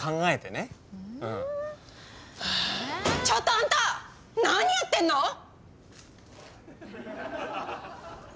ちょっとあんた何やってんの！？